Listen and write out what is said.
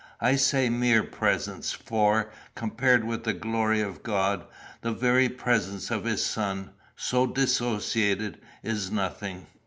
I say mere presence, for, compared with the glory of God, the very presence of his Son, so dissociated, is nothing.